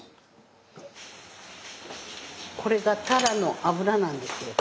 これがタラの油なんですよ。